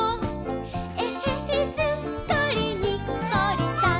「えへへすっかりにっこりさん！」